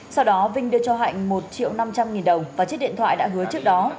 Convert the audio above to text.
sau đó vinh đưa cho hạnh một triệu năm trăm linh nghìn đồng và chiếc điện thoại đã hứa trước đó